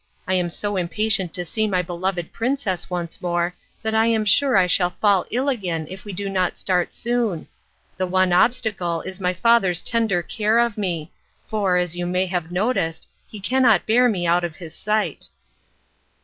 I am so impatient to see my beloved princess once more that I am sure I shall fall ill again if we do not start soon. The one obstacle is my father's tender care of me, for, as you may have noticed, he cannot bear me out of his sight."